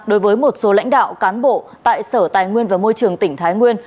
đối với một số lãnh đạo cán bộ tại sở tài nguyên và môi trường tỉnh thái nguyên